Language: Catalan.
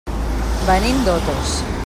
Venim d'Otos.